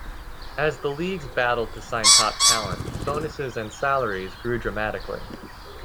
As the leagues battled to sign top talent, bonuses and salaries grew dramatically.